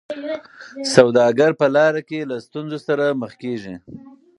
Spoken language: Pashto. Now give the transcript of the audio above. سوداګر په لاره کي له ستونزو سره مخ کیږي.